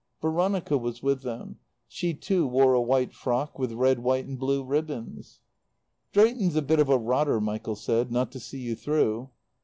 Veronica was with them. She too wore a white frock, with red, white and blue ribbons. "Drayton's a bit of a rotter," Michael said, "not to see you through."